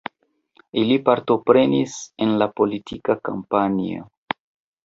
Ili partoprenis en la politika kampanjo.